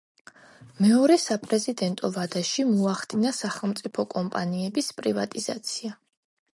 მეორე საპრეზიდენტო ვადაში მოახდინა სახელმწიფო კომპანიების პრივატიზაცია.